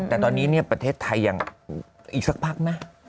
แต่ตอนนี้ประเทศไทยยังอีกสักพักไหม